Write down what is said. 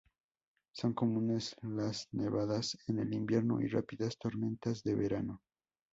Son comunes las nevadas en el invierno y rápidas tormentas de verano.